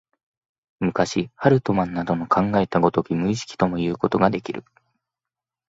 昔、ハルトマンなどの考えた如き無意識ともいうことができる。